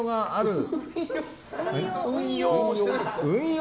運用？